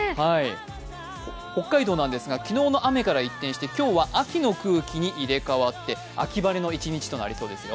北海道なんですが昨日の雨から一転して今日は秋の空気に入れ代わって、秋晴れの一日となりそうですよ。